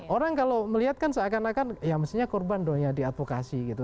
orang kalau melihat kan seakan akan ya mestinya korban doanya diadvokasi gitu